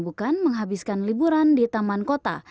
bukan menghabiskan liburan di taman kota